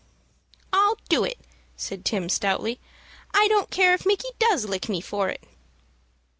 "I'll do it," said Tim, stoutly. "I don't care if Micky does lick me for it."